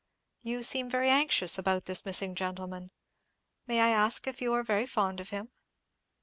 You seem very anxious about this missing gentleman; may I ask if you are very fond of him?